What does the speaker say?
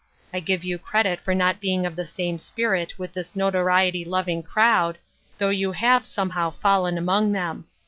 I give you credit for not being of the same spirit with this notoriety loving crowd, though you have somehow fallen among them.